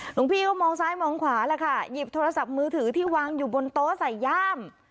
หลวงพี่ก็มองซ้ายมองขวาแล้วค่ะหยิบโทรศัพท์มือถือที่วางอยู่บนโต๊ะใส่ย่าม